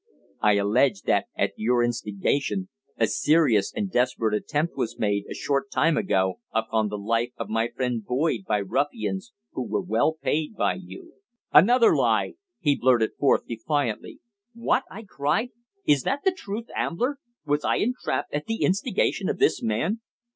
"I allege that, at your instigation, a serious and desperate attempt was made, a short time ago, upon the life of my friend Boyd by ruffians who were well paid by you." "Another lie!" he blurted forth defiantly. "What?" I cried. "Is that the truth, Ambler? Was I entrapped at the instigation of this man?"